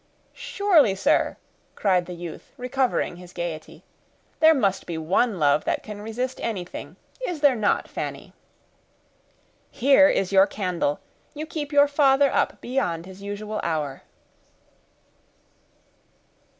"Surely, sir," cried the youth, recovering his gayety, "there must be one love that can resist anything—is there not, Fanny?" "Here is your candle; you keep your father up beyond his usual hour."